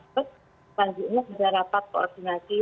selanjutnya sudah rapat koordinasi